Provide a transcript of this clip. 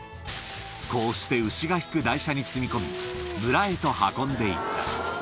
こうして牛が引く台車に積み込み、村へと運んでいった。